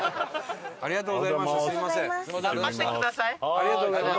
ありがとうございます。